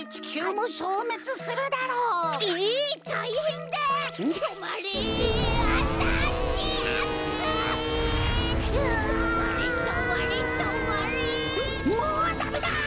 もうダメだ！